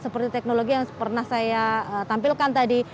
seperti teknologi yang pernah saya tampilkan tadi